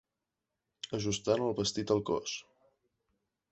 Ajustant el vestit al cos.